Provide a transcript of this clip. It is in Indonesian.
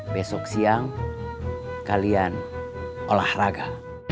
besok siang kalian olahraga